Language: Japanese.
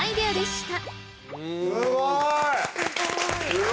すごい！